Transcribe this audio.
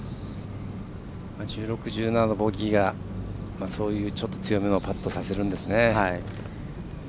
１６、１７のボギーがそういうちょっと強めのパットをさせるんですね。